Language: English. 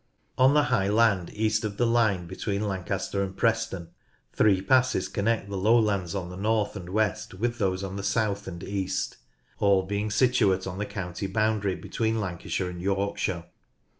On the high land east of the line between Lancaster and Preston, three passes connect the lowlands on the m. n. L. 4 50 NORTH LANCASHIRE north and west with those on the south and east, all being situate on the county boundary between Lancashire and Yorkshire.